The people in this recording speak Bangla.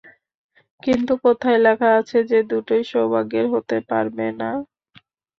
কিন্তু কোথায় লেখা আছে যে দুটোই সৌভাগ্যের হতে পারবে না?